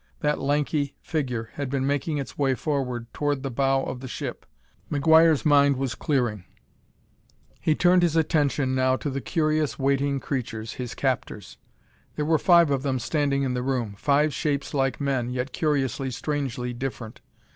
That lanky figure had been making its way forward toward the bow of the ship. McGuire's mind was clearing; he turned his attention now to the curious, waiting creatures, his captors. There were five of them standing in the room, five shapes like men, yet curiously, strangely, different.